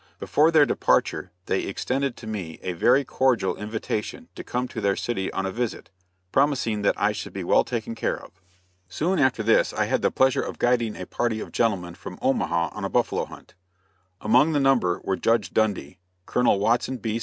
Before their departure they extended to me a very cordial invitation to come to their city on a visit, promising that I should be well taken care of. Soon after this I had the pleasure of guiding a party of gentlemen from Omaha on a buffalo hunt. Among the number were Judge Dundy, Colonel Watson B.